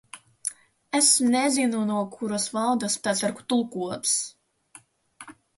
Es nezinu, no kuras valodas tas ir tulkots.